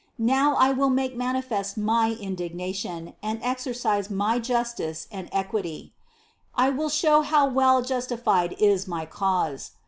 Now I will make manifest my indignation and exercise my justice and equity; I will show how well justified is my cause.